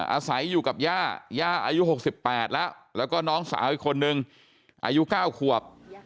อาศัยอยู่กับย่าย่าอายุ๖๘แล้วแล้วก็น้องสาวอีกคนนึงอายุ๙ขวบ